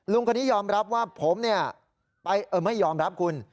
ลุงคนนี้ยอมรับว่าผมไม่ยอมรับคุณ